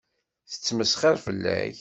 Tettmesxiṛ fell-ak.